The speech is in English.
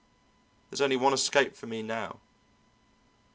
There's only one escape for me now."